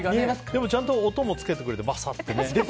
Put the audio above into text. でも、ちゃんと音もつけてくれてバサッとね。